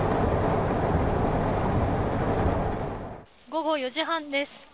午後４時半です。